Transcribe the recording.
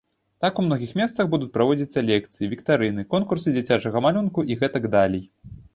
Так, у многіх месцах будуць праводзіцца лекцыі, віктарыны, конкурсы дзіцячага малюнку і гэтак далей.